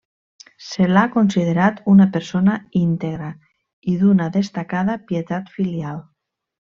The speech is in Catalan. Se l'ha considerat una persona íntegra i d'una destacada pietat filial.